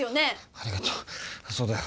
ありがとうそうだよ